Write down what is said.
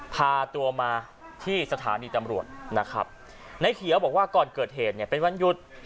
พาตัวมาที่สถานีตำรวจนะครับในเขียวบอกว่าก่อนเกิดเหตุเนี่ยเป็นวันหยุด